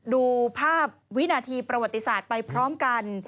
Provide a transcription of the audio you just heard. ดูภาพวินาทีประวัติศาสตร์ไปพร้อมกัน